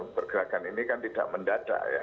pergerakan ini kan tidak mendadak ya